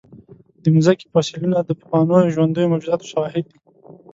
د مځکې فوسیلونه د پخوانیو ژوندیو موجوداتو شواهد دي.